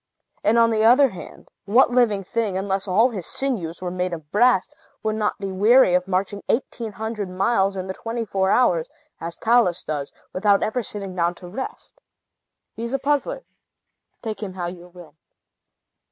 And, on the other hand, what living thing, unless his sinews were made of brass, would not be weary of marching eighteen hundred miles in the twenty four hours, as Talus does, without ever sitting down to rest? He is a puzzler, take him how you will."